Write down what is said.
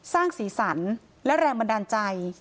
สร้างสีสันและแรงบันดาลใจ